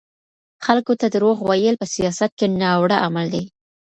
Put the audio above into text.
خلګو ته درواغ ويل په سياست کي ناوړه عمل دی.